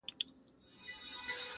په نامه یو ځوان راغوښتې وه